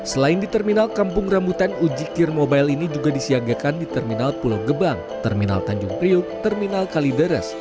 selain di terminal kampung rambutan uji kir mobile ini juga disiagakan di terminal pulau gebang terminal tanjung priuk terminal kalideres